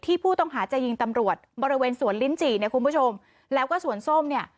ผู้ต้องหาจะยิงตำรวจบริเวณสวนลิ้นจี่เนี่ยคุณผู้ชมแล้วก็สวนส้มเนี่ย